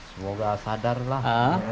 semoga sadar lah